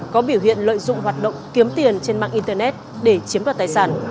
có biểu hiện lợi dụng hoạt động kiếm tiền trên mạng internet để chiếm đoạt tài sản